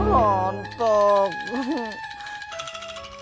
gak ada pasang kartu